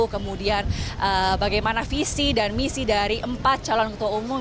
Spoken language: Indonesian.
kemudian bagaimana visi dan misi dari empat calon ketua umum